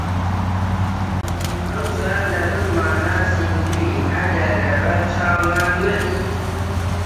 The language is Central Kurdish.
ئەو جار لە دڵمانا زیندووی ئەگەر لەبەر چاومان مردی!